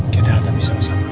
kita tak bisa bersama